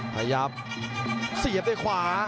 หยัดสีอยากได้ขวา